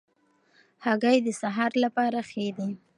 هګۍ د سهار لپاره ښې دي.